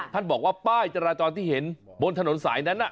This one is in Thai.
ท่านบอกว่าป้ายจราจรที่เห็นบนถนนสายนั้น